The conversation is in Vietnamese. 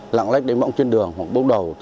lạng lách đánh võng trên đường hoặc bốc đầu